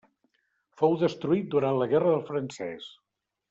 Fou destruït durant la Guerra del Francès.